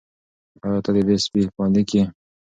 آیا ته د دې سپي مالیک یې؟